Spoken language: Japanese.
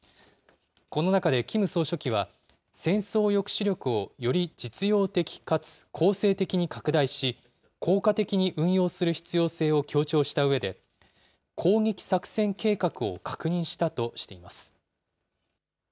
この中でキム総書記は、戦争抑止力をより実用的かつ攻勢的に拡大し、効果的に運用する必要性を強調したうえで、攻撃作戦計画を確認したとしています。